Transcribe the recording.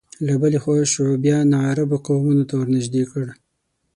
له بلې خوا شعوبیه ناعربو قومونو ته ورنژدې کړ